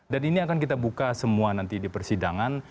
dan ini akan kita buka semua nanti di persidangan